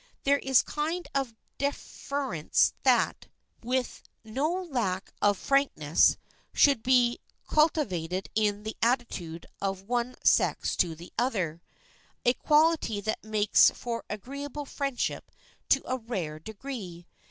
There is a kind of deference that, with no lack of frankness, should be cultivated in the attitude of one sex to the other, a quality that makes for agreeable friendship to a rare degree.